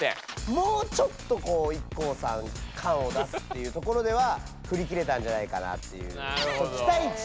もうちょっとこうＩＫＫＯさん感を出すっていうところではふりきれたんじゃないかなっていうきたいちといういみでの。